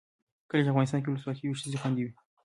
کله چې افغانستان کې ولسواکي وي ښځې خوندي وي.